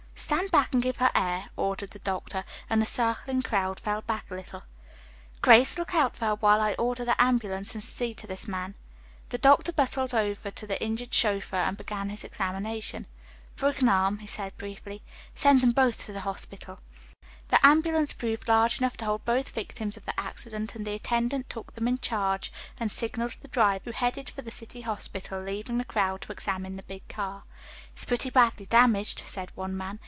"Stand back and give her air," ordered the doctor, and the circling crowd fell back a little. "Grace, look out for her while I order the ambulance and see to this man." The doctor bustled over to the injured chauffeur, and began his examination. "Broken arm," he said briefly. "Send them both to the hospital." The ambulance proved large enough to hold both victims of the accident and the attendant took them in charge, and signaled the driver, who headed for the city hospital, leaving the crowd to examine the big car. "It's pretty badly damaged," said one man.